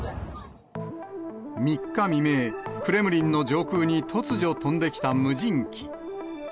３日未明、クレムリンの上空に突如飛んできた無人機。